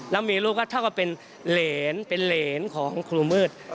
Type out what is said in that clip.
แล้วมีลูกก็เท่ากับเป็นเหรนของครูมือด